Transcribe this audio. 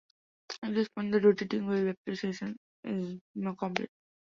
At this point the rotating wave approximation is complete.